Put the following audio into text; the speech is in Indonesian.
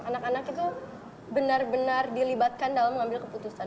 anak anak itu benar benar dilibatkan dalam mengambil keputusan